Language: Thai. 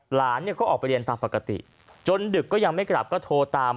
หลานเนี่ยก็ออกไปเรียนตามปกติจนดึกก็ยังไม่กลับก็โทรตาม